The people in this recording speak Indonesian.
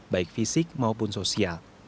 baik fisik maupun sosial